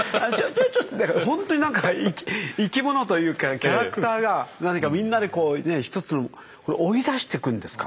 ほんとになんか生き物というかキャラクターが何かみんなでこう１つのこれ追い出していくんですか？